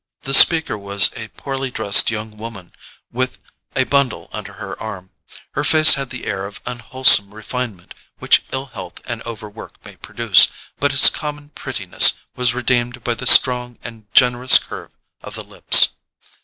The speaker was a poorly dressed young woman with a bundle under her arm. Her face had the air of unwholesome refinement which ill health and over work may produce, but its common prettiness was redeemed by the strong and generous curve of the lips.